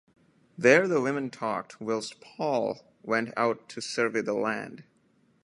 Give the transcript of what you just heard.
There the women talked, whilst Paul went out to survey the land.